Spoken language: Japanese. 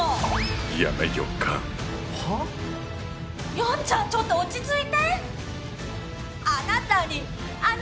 ヤンちゃんちょっと落ち着いて！